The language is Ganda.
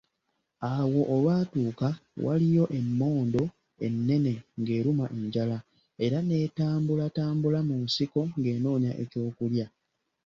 Awo olwatuuka, waliyo emmondo ennene ng'erumwa enjala, era n'etambula tambula mu nsiko ng'enoonya eky'okulya.